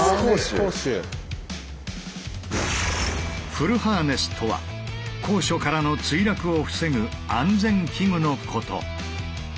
「フルハーネス」とは高所からの墜落を防ぐ安全器具のこと。